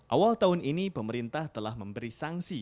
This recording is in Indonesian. awal tahun ini pemerintah telah memberi sanksi